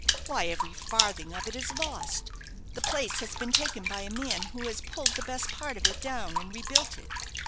"Why every farthing of it is lost. The place has been taken by a man, who has pulled the best part of it down, and rebuilt it.